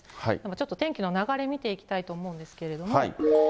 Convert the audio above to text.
ちょっと天気の流れ、見ていきたいと思うんですけれども。